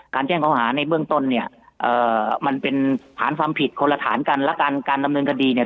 แจ้งเขาหาในเบื้องต้นเนี่ยมันเป็นฐานความผิดคนละฐานกันและการการดำเนินคดีเนี่ย